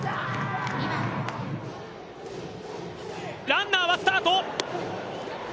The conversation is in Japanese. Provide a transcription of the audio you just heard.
ランナーはスタート！